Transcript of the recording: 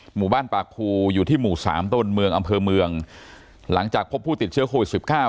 หมู่บ้านปากภูอยู่ที่หมู่สามต้นเมืองอำเภอเมืองหลังจากพบผู้ติดเชื้อโควิดสิบเก้า